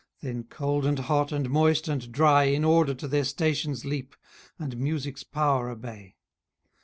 Then cold, and hot, and moist, and dry, In order to their stations leap, And Music's power obey.